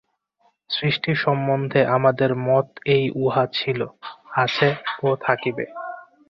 সৃষ্টি সম্বন্ধে আমাদের মত এই উহা ছিল, আছে ও থাকিবে।